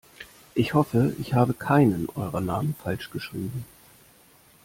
Ich hoffe, ich habe keinen eurer Namen falsch geschrieben.